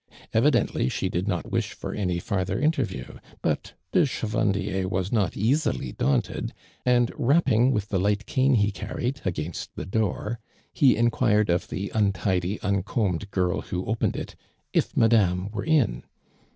Evidently she 'lid not wish for any farther interview, but ■\e Chevandier was not easily daunted, and lapping, with the light cane he carried, against t!ic door, he imiuircd of the untidy, imcombed girl who opened it "if Madame were in.'"